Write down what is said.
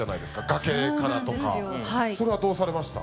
崖からとかそれはどうされました？